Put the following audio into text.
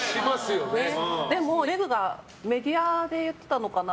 でも、メグがメディアで言ってたのかな。